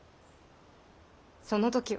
その時は。